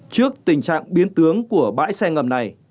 trước tình trạng biến tướng của bãi xe ngầm này